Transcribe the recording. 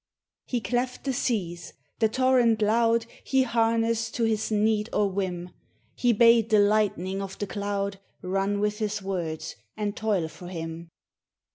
He cleft the seas ; the torrent loud lie harnessed to his need or whim ; He bade the lightning of the cloud Run with his words, and toil for him.